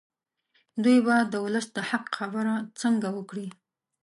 دوی به د ولس د حق خبره څنګه وکړي.